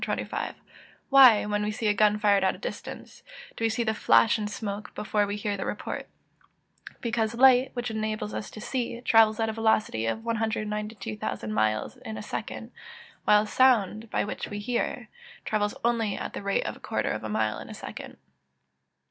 Why, when we see a gun fired at a distance, do we see the flash and smoke, before we hear the report? Because light, which enables us to see, travels at the velocity of 192,000 miles in a second; while sound, by which we hear, travels only at the rate of a quarter of a mile in a second.